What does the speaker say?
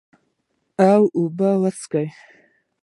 او اوبۀ به وڅښو ـ